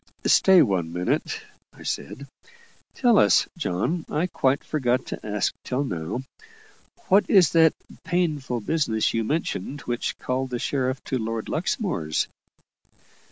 "Stay one minute," I said. "Tell us, John I quite forgot to ask till now what is that 'painful business' you mentioned, which called the sheriff to Lord Luxmore's?"